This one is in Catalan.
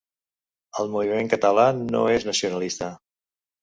El moviment català no és nacionalista.